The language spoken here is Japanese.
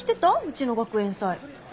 うちの学園祭。